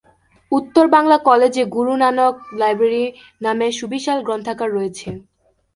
উত্তর বাংলা কলেজ এ গুরু নানক লাইব্রেরি নামে সুবিশাল গ্রন্থাগার রয়েছে।